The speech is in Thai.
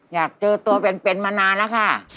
อยากเจอตัวเป็นมานานแล้วค่ะ